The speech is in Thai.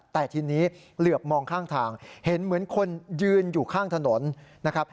แต่ทีนี้เหลือบมองข้างทางเห็นเหมือนคนยืนอยู่ข้างถนนนะครับ